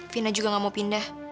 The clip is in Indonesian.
vina juga gak mau pindah